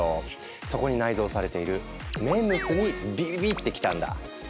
そこに内蔵されているＭＥＭＳにビビビってきたんだ。